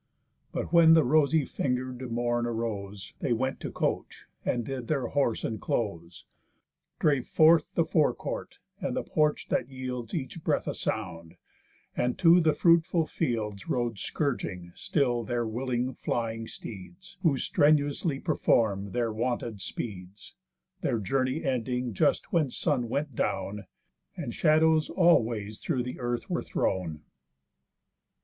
But when the rosy finger'd Morn arose, They went to coach, and did their horse inclose, Drave forth the fore court, and the porch that yields Each breath a sound, and to the fruitful fields Rode scourging still their willing flying steeds, Who strenuously perform'd their wonted speeds. Their journey ending just when sun went down, And shadows all ways through the earth were thrown.